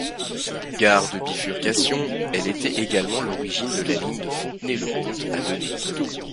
Gare de bifurcation, elle était également l'origine de la ligne de Fontenay-le-Comte à Benet.